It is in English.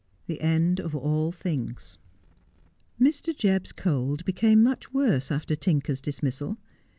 THE END OF ALL THINGS. Mr. Jebb's cold became much worse after Tinker's dismissal.